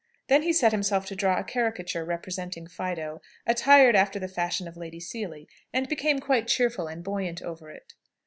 Then he set himself to draw a caricature representing Fido, attired after the fashion of Lady Seely, and became quite cheerful and buoyant over it.